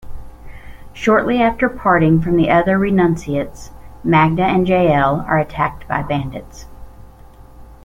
Shortly after parting from the other Renunciates, Magda and Jaelle are attacked by bandits.